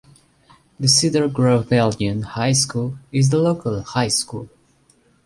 The Cedar Grove-Belgium High School is the local high school.